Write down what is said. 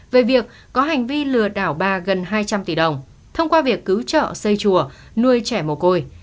về việc có hành vi lừa đảo bà gần hai trăm linh tỷ đồng thông qua việc cứu trợ xây chùa nuôi trẻ mồ côi